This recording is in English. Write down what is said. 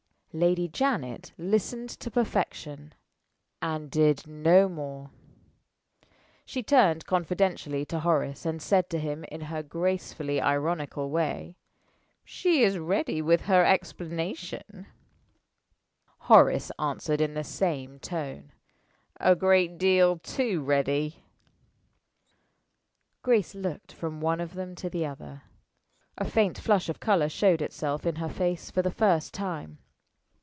Lady Janet listened to perfection and did no more. She turned confidentially to Horace, and said to him, in her gracefully ironical way: "She is ready with her explanation." Horace answered in the same tone: "A great deal too ready." Grace looked from one of them to the other. A faint flush of color showed itself in her face for the first time.